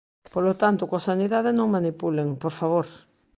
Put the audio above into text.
Polo tanto, coa sanidade non manipulen, por favor.